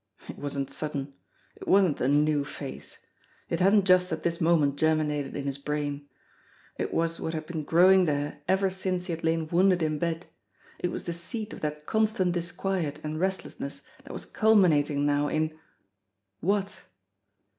It wasn't sudden. It wasn't a new phase. It hadn't just at this moment ger minated in his brain. It was what had been growing there ever since he had lain wounded in bed. It was the seat of that constant disquiet and restlessness that was culminating now in What?